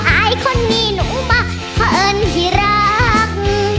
อายคนมีหนูป่ะเพราะเอิญที่รัก